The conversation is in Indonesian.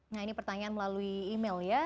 nah ini pertanyaan melalui email ya